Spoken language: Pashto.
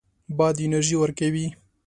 باد انرژي ورکوي.